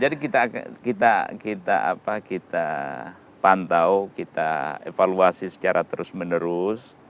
jadi kita pantau kita evaluasi secara terus menerus